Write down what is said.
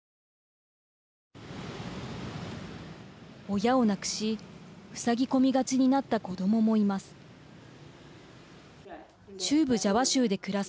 親を亡くしふさぎ込みがちになった子どももいます。